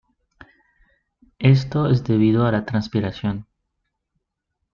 Esto es debido a la transpiración.